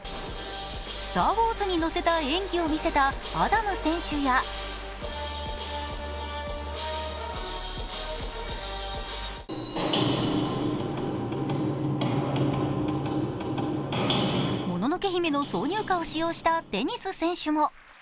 「スター・ウォーズ」に乗せた演技を見せたアダム選手や「もののけ姫」の挿入歌を使用したデニス選手も。